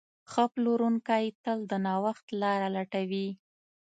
ښه پلورونکی تل د نوښت لاره لټوي.